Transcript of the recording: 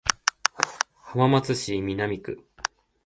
浜松市南区